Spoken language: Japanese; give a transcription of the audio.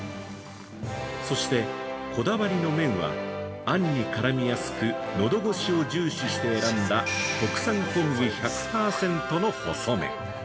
そして、こだわりの麺は、あんに絡みやすくのどごしを重視して選んだ国産小麦１００％の細麺。